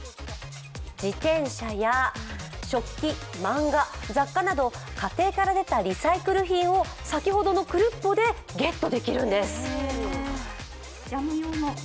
自転車や、食器、漫画雑貨など家庭から出たリサイクル品を先ほどのクルッポでゲットできるんです。